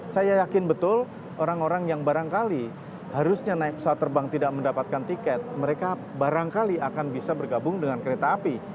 saya yakin betul orang orang yang barangkali harusnya naik pesawat terbang tidak mendapatkan tiket mereka barangkali akan bisa bergabung dengan kereta api